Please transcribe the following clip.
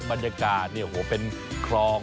บรรยากาศเป็นคลอง